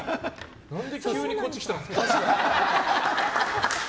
何で急にこっち来たんですか。